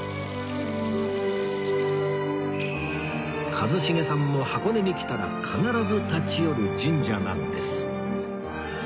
一茂さんも箱根に来たら必ず立ち寄る神社なんです